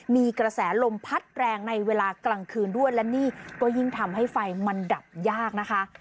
มีกระแสลมพัดแรงในเวลากลางคืนด้วยและนี่ก็ยิ่งทำให้ไฟมันดับยากนะคะ